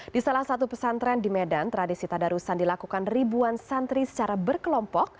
di salah satu pesantren di medan tradisi tadarusan dilakukan ribuan santri secara berkelompok